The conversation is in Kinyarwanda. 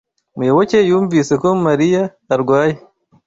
Muyoboke yumvise ko Mariya arwaye.